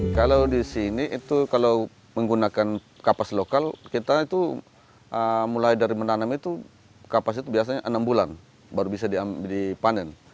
kalau di sini itu kalau menggunakan kapas lokal kita itu mulai dari menanam itu kapas itu biasanya enam bulan baru bisa dipanen